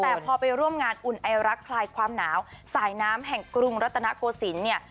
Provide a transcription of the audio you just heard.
แต่พอไปร่วมงานอุ่นไอรักคลายความหนาวสายน้ำแห่งกรุงรัตนโกศิลป์เนี่ย